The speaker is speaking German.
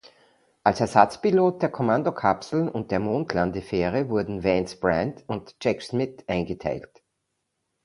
Als Ersatzpilot der Kommandokapsel und der Mondlandefähre wurden Vance Brand und Jack Schmitt eingeteilt.